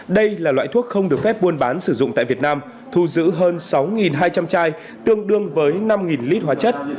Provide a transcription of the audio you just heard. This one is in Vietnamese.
đây là loại thuốc không được phép buôn bán sử dụng tại việt nam thu giữ hơn sáu hai trăm linh chai tương đương với năm lít hóa chất